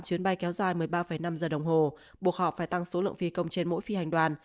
chuyến bay kéo dài một mươi ba năm giờ đồng hồ buộc họ phải tăng số lượng phi công trên mỗi phi hành đoàn